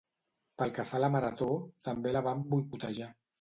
Pel que fa a la marató també la vam boicotejar